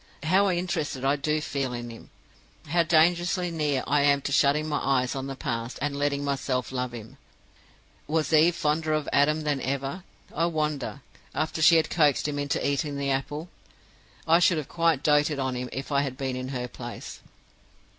How interested I do feel in him! How dangerously near I am to shutting my eyes on the past, and letting myself love him! Was Eve fonder of Adam than ever, I wonder, after she had coaxed him into eating the apple? I should have quite doted on him if I had been in her place.